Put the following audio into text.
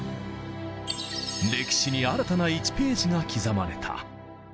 歴史に新たな１ページが刻まれた。